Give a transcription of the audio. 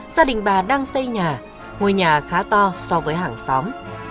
gia đình bà đang xây nhà ngôi nhà khá to so với hàng xóm